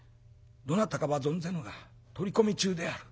「どなたかは存ぜぬが取り込み中である。